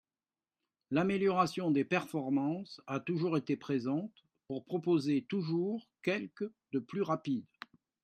L'amélioration des performances a toujours été présente, pour proposer toujours quelques de plus rapides